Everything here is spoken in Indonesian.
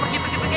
pergi pergi pergi